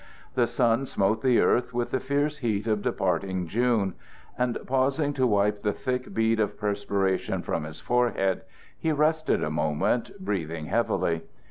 The sun smote the earth with the fierce heat of departing June; and pausing to wipe the thick bead of perspiration from his forehead, he rested a moment, breathing heavily.